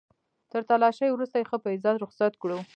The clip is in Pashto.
تر تلاشۍ وروسته يې ښه په عزت رخصت کړو.